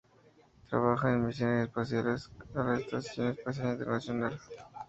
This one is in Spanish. Trabaja en misiones espaciales a la Estación Espacial Internacional.